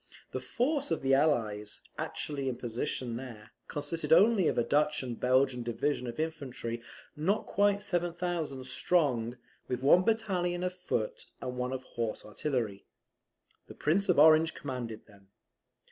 The force of the Allies, actually in position there, consisted only of a Dutch and Belgian division of infantry, not quite 7,000 strong, with one battalion of foot, and one of horse artillery. The Prince of Orange commanded them.